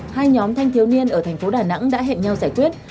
hai nhóm thanh thiếu niên ở thành phố đà nẵng đã hẹn nhau giải quyết